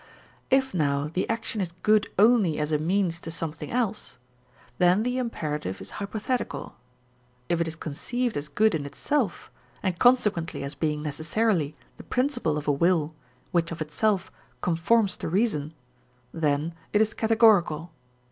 If now the action is good only as a means to something else, then the imperative is hypothetical; if it is conceived as good in itself and consequently as being necessarily the principle of a will which of itself conforms to reason, then it is categorical.